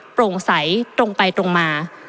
โปร่งใสตรงไปตรงมา